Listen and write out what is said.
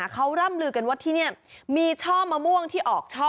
เขาร่ำลือกันว่าที่นี่มีช่อมะม่วงที่ออกช่อ